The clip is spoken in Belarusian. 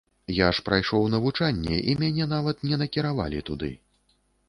Я ж прайшоў навучанне і мяне нават не накіравалі нікуды.